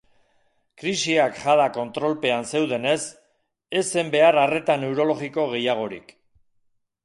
Krisiak jada kontrolpean zeudenez, ez zen behar arreta neurologiko gehiagorik.